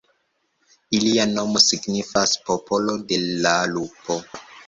Ilia nomo signifas "popolo de la lupo".